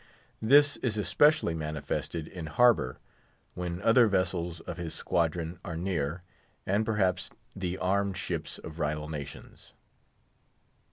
This is especially manifested in harbour, when other vessels of his squadron are near, and perhaps the armed ships of rival nations.